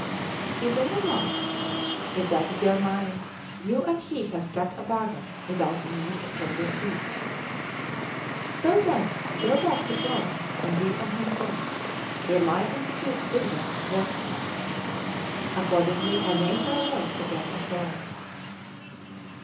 He then remarked: "If that is your mind, you and he have struck a bargain without the need of further speech. So, then, go back to Florence, and be unconcerned; rely on the Duke's goodwill towards you." Accordingly I made my way again to Florence.